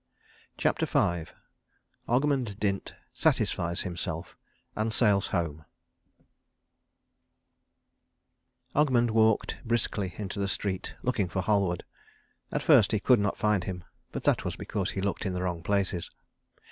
CHAPTER V OGMUND DINT SATISFIES HIMSELF, AND SAILS HOME Ogmund walked briskly into the street, looking for Halward. At first he could not find him, but that was because he looked in the wrong places.